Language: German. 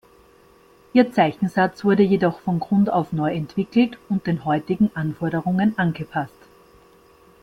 Ihr Zeichensatz wurde jedoch von Grund auf neu entwickelt und den heutigen Anforderungen angepasst.